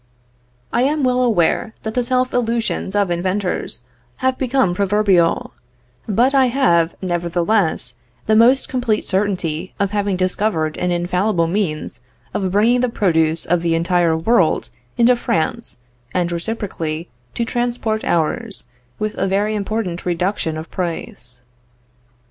I am well aware that the self illusions of inventors have become proverbial, but I have, nevertheless, the most complete certainty of having discovered an infallible means of bringing the produce of the entire world into France, and reciprocally to transport ours, with a very important reduction of price.